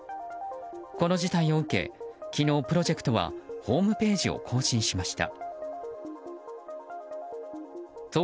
この事態を受け、昨日プロジェクトはホームページを更新しました。